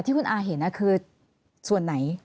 ที่คุณอาเห็นคือส่วนไหน